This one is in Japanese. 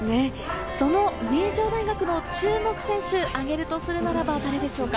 名城大学の注目選手を挙げるとすると誰でしょうか？